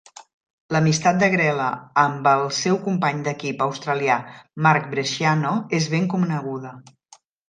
L'amistat de Grella amb el seu company d'equip australià Mark Bresciano és ben coneguda.